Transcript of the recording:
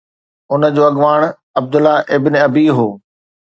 ان جو اڳواڻ Abdullah ibn Ubayy هو